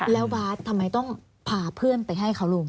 แล้วบาททำไมต้องพาเพื่อนไปให้เขาลุง